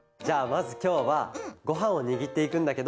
まずきょうはごはんをにぎっていくんだけど。